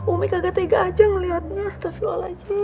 umi agak tega aja melihatnya astagfirullahaladzim